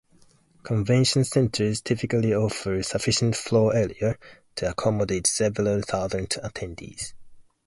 Convention centers typically offer sufficient floor area to accommodate several thousand attendees.